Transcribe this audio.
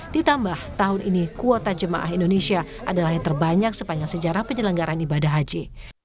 ditambah tahun ini kuota jemaah indonesia adalah yang terbanyak sepanjang sejarah penyelenggaran ibadah haji